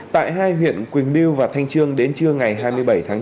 tại hai huyện quỳnh lưu và thanh trương đến trưa ngày hai mươi bảy tháng bốn